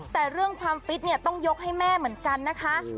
แต่เรื่องความฟิตเนี่ยต้องยกให้แม่เหมือนกันนะคะ